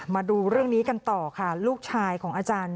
มาดูเรื่องนี้กันต่อค่ะลูกชายของอาจารย์